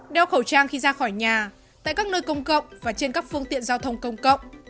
đeo khẩu trang khi ra khỏi nhà tại các nơi công cộng và trên các phương tiện giao thông công cộng